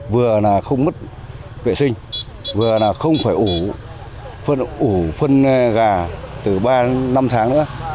vừa là không mất vệ sinh vừa là không phải ủ phân gà từ ba đến năm tháng nữa